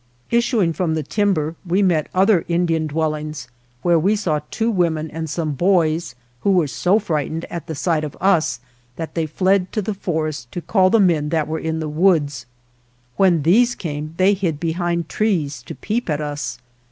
Issuing from the timber, we met other Indian dwellings, where we saw two women and some boys, who were so frightened at the sight of us that they fled to the forest to call the men that were in the woods. When these came they hid behind trees to peep at us.